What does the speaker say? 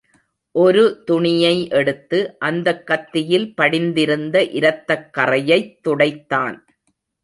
ஒரு துணியை எடுத்து, அந்தக் கத்தியில் படிந்திருந்த இரத்தக் கறையைத் துடைத்தான்.